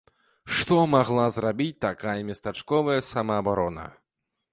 Што магла зрабіць такая местачковая самаабарона?